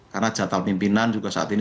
karena jatat pimpinan juga saat ini